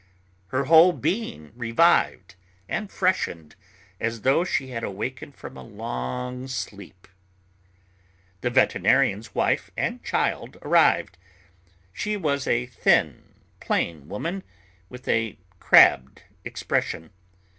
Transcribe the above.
Her whole being revived and freshened, as though she had awakened from a long sleep. The veterinarian's wife and child arrived. She was a thin, plain woman, with a crabbed expression.